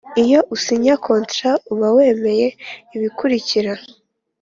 Iyo usinya kontaro uba wemeye ibikurikira